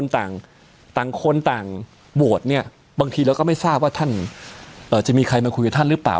ต่างคนต่างโหวตเนี่ยบางทีเราก็ไม่ทราบว่าท่านจะมีใครมาคุยกับท่านหรือเปล่า